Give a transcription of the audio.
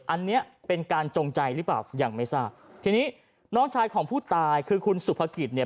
อันนี้เป็นการจงใจหรือเปล่ายังไม่ทราบทีนี้น้องชายของผู้ตายคือคุณสุภกิจเนี่ย